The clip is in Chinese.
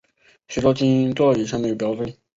许多基因座以前没有表征。